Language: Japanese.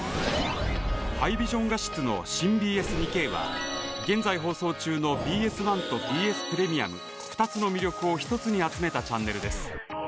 ハイビジョン画質の新ＢＳ２Ｋは現在放送中のＢＳ１とＢＳプレミアム２つの魅力を１つに集めたチャンネルです。